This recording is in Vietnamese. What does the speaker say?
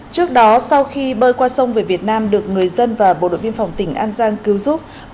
trước đó sau khi bơi qua sông về việt nam được người dân và bộ đội biên phòng tỉnh an giang cứu giúp